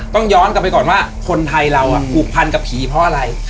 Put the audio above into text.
ต้องย้อนกลับไปก่อนว่าคนไทยเราผูกพันกับผีเพราะอะไร